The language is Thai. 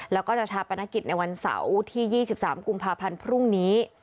แล้วก็จะชาปนกิจในวันเสาร์ที่๒๓กุมภาพันธ์พรุ่งนี้